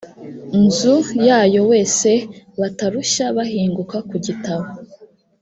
nzu yayo wese batarushya bahinguka ku gitabo